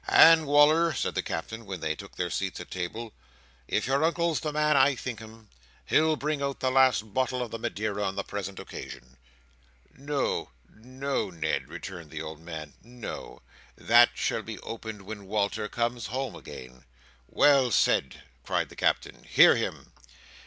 "And, Wal"r," said the Captain, when they took their seats at table, if your Uncle's the man I think him, he'll bring out the last bottle of the Madeira on the present occasion." "No, no, Ned," returned the old man. "No! That shall be opened when Walter comes home again." "Well said!" cried the Captain. "Hear him!"